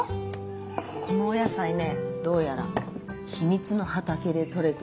このお野菜ねどうやら秘密の畑で採れているそうなんです。